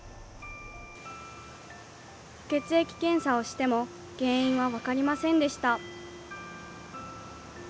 血液検査をしても原因は分かりませんでした。